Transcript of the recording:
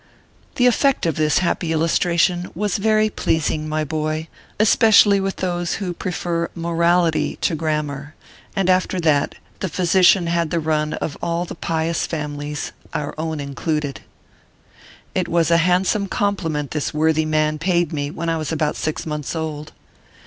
. The effect of this happy illustration was very pleasing, my boy ; especially with those who prefer morality to grammar ; and after that, the physician had the run of all the pious families our own in cluded. It was a handsome compliment this worthy man paid me when I. was about six months old.